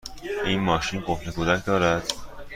این ماشین قفل کودک دارد؟